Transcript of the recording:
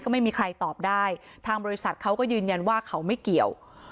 ไม่มีใครตอบได้ทางบริษัทเขาก็ยืนยันว่าเขาไม่เกี่ยว